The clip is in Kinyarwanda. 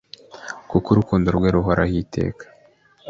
kuko urukundo rwe ruhoraho iteka